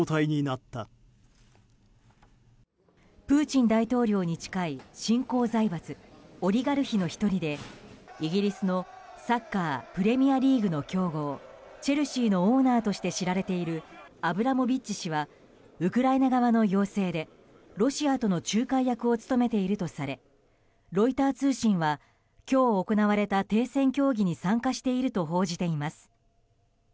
プーチン大統領に近い新興財閥オリガルヒの１人でイギリスのサッカープレミアリーグの強豪チェルシーのオーナーとして知られているアブラモビッチ氏はウクライナ側の要請でロシアとの仲介役を務めているとされロイター通信は今日行われた停戦協議に参加していると報じています。